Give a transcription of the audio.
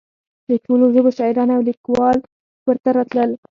د ټولو ژبو شاعران او لیکوال ورته راتلل.